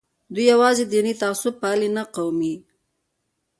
دوی یوازې دیني تعصب پالي نه قومي.